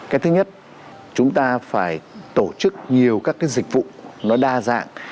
cái thứ nhất chúng ta phải tổ chức nhiều các cái dịch vụ nó đa dạng